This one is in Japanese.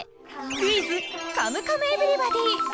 「クイズ！カムカムエヴリバディ」！